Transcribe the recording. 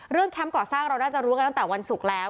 แคมป์ก่อสร้างเราน่าจะรู้กันตั้งแต่วันศุกร์แล้ว